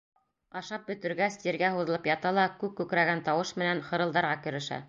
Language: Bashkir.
Ашап бөтөргәс, ергә һуҙылып ята ла күк күкрәгән тауыш менән хырылдарға керешә.